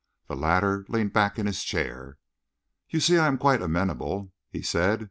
The latter leaned back in his chair. "You see, I am quite amenable," he said.